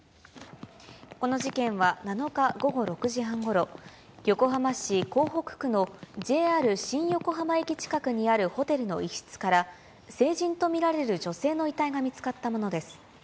この事件は７日午後６時半ごろ、横浜市港北区のＪＲ新横浜駅近くにあるホテルの一室から、成人と見られる女性の遺体が見つかったものです。